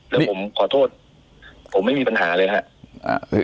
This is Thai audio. แล้วผมขอโทษผมไม่มีปัญหาเลยครับ